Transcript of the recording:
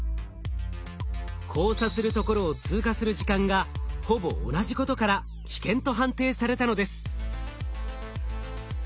交差するところを通過する時間がほぼ同じことから危険と判定されたのです。